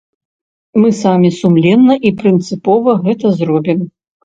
Мы самі сумленна і прынцыпова гэта зробім.